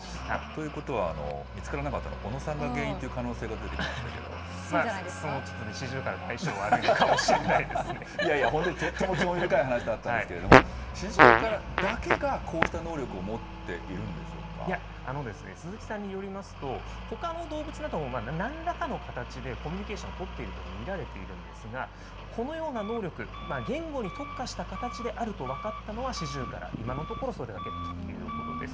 ということは、見つからなかったの、小野さんが原因という可シジュウカラと相性が悪いかいやいや、とっても興味深い話だったんですけど、シジュウカラだけがこうした能力を持っていいや、鈴木さんによりますと、ほかの動物なども、なんらかの形でコミュニケーションは取っていると見られてんですが、このような能力、言語に特化した形であると分かったのは、シジュウカラ、今のところそれだけということです。